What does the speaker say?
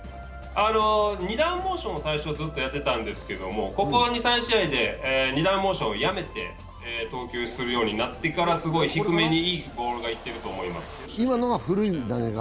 ２段モーションを最初ずっとやってたんですけど、ここ２３試合で２段モーションをやめてからすごい低めにいいボールがいってると思います。